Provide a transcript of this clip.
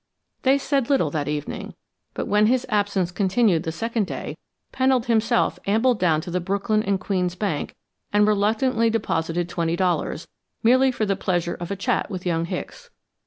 They said little that evening, but when his absence continued the second day, Pennold himself ambled down to the Brooklyn & Queens Bank and reluctantly deposited twenty dollars, merely for the pleasure of a chat with young Hicks.